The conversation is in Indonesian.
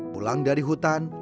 pulang dari hutan